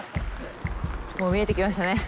もう見えてきましたね。